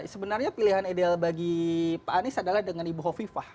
sebenarnya pilihan ideal bagi pak anies adalah dengan ibu hovifah